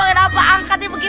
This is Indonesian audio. udah mangkring begini